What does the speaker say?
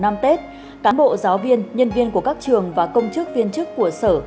năm tết cán bộ giáo viên nhân viên của các trường và công chức viên chức của sở